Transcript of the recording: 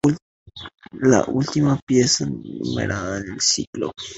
La última pieza numerada en el ciclo.